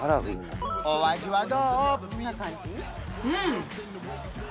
お味はどう？